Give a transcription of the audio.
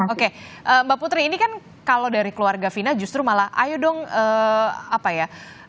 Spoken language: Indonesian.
oke mbak putri ini kan kalau dari keluarga fina justru malah ayo dong apa ya